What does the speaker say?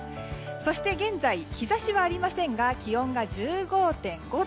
そして、現在日差しはありませんが気温は１５．５度。